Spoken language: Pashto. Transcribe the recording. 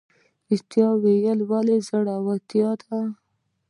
ریښتیا ویل ولې زړورتیا ده؟